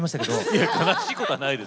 いや悲しいことはないですよ。